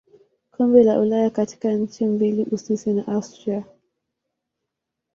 Kombe la Ulaya katika nchi mbili Uswisi na Austria.